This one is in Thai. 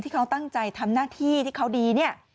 เขาตั้งใจทำหน้าที่ที่เขาดีเนี่ย